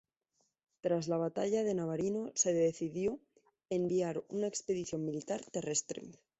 Tras la batalla de Navarino se decidió enviar una expedición militar terrestre.